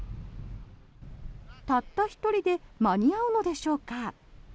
たった１人で間に合うのでしょうか。